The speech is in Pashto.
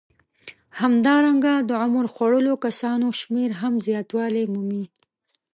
همدارنګه د عمر خوړلو کسانو شمېر هم زیاتوالی مومي